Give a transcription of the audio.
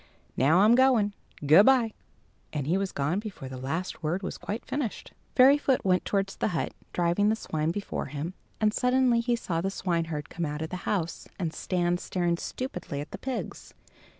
Now I'm going. Good bye!" And he was gone before the last word was quite finished. Fairyfoot went towards the hut, driving the swine before him, and suddenly he saw the swineherd come out of his house, and stand staring stupidly at the pigs.